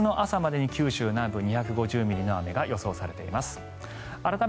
明日の朝までに九州南部で２５０ミリの雨が予想されています。